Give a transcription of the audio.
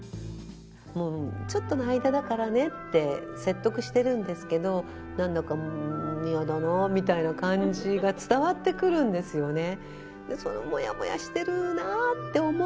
ちょっとの間だからねって説得してるんですけど何だか嫌だなみたいな感じが伝わってくるんですよね。